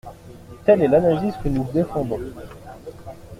Telle est l’analyse que nous défendons.